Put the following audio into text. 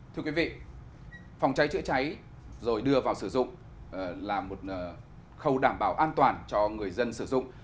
thưa quý vị phòng cháy chữa cháy rồi đưa vào sử dụng là một khâu đảm bảo an toàn cho người dân sử dụng